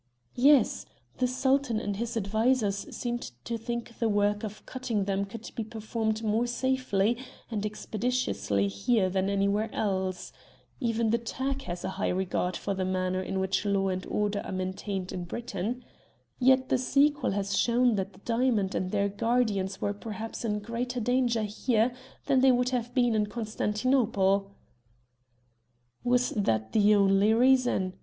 "Yes; the Sultan and his advisers seemed to think the work of cutting them could be performed more safely and expeditiously here than anywhere else. Even the Turk has a high regard for the manner in which law and order are maintained in Britain. Yet the sequel has shown that the diamonds and their guardians were perhaps in greater danger here than they would have been in Constantinople." "Was that the only reason?"